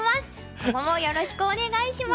今後もよろしくお願いします。